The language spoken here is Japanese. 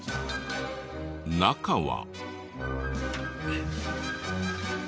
中は。